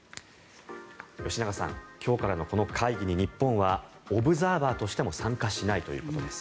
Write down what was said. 吉永さん、今日からのこの会議に日本はオブザーバーとしても参加しないということです。